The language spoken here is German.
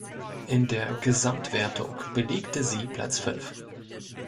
In der Gesamtwertung belegte sie Platz fünf.